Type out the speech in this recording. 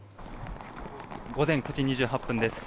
午前９時２８分です。